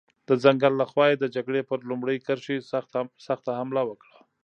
د ځنګل له خوا یې د جګړې پر لومړۍ کرښې سخته حمله وکړه.